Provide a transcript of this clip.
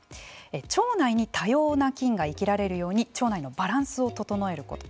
腸内に多様な菌が生きられるように腸内のバランスを整えること。